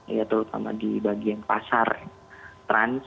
ya terutama di bagian pasar trans